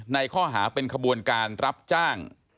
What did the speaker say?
ในข้อหาเป็นขบวนการรับจ้าง